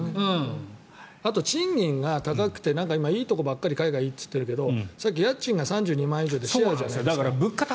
あと、賃金が高くて今、いいところばっかり海外、いいって言ってるけどさっき家賃が３２万円以上でシェアじゃないですか。